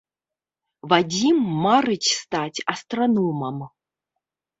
Вадзім марыць стаць астраномам.